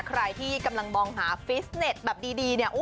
ใครที่กำลังมองหาฟิสเน็ตแบบดีเนี่ย